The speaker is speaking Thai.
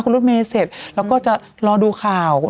คุณลูกเมแล้วก็จะรอดูข่าวเห็นไหม